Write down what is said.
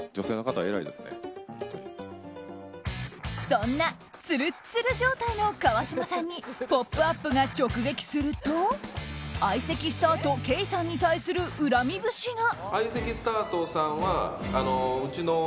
そんなツルツル状態の川島さんに「ポップＵＰ！」が直撃すると相席スタートケイさんに対する恨み節が。